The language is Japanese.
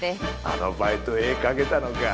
あのバイト絵描けたのか。